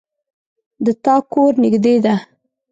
د تا کور نږدې ده